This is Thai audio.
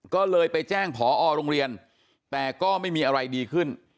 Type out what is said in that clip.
ก็เลยไปแจ้งผอโรงเรียนแต่ก็ไม่มีอะไรดีขึ้น